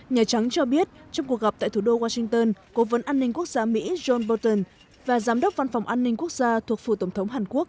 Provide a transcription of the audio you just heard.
nhà trắng cho biết trong cuộc gặp tại thủ đô washington cố vấn an ninh quốc gia mỹ john bolton và giám đốc văn phòng an ninh quốc gia thuộc phủ tổng thống hàn quốc